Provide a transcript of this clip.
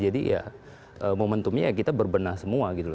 jadi ya momentumnya kita berbenah semua gitu